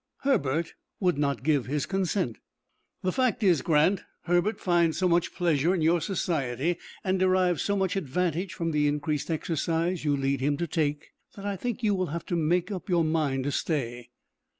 "Herbert would not give his consent. The fact is, Grant, Herbert finds so much pleasure in your society, and derives so much advantage from the increased exercise you lead him to take, that I think you will have to make up your mind to stay."